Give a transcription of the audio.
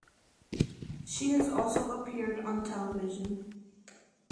She has also appeared on television.